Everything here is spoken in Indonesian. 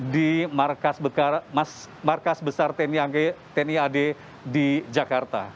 di markas besar tni ad di jakarta